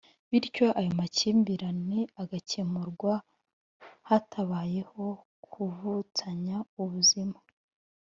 bityo ayo makimbirane agakemurwa hatabayeho kuvutsanya ubuzima